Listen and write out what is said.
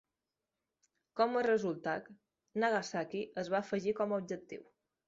Com a resultat, Nagasaki es va afegir com a objectiu.